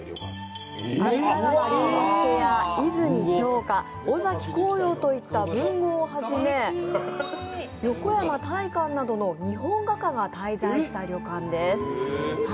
芥川龍之介や泉鏡花、尾崎紅葉といった文豪をはじめ、横山大観などの日本画家が滞在した旅館です。